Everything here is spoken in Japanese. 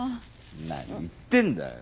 何言ってんだよ。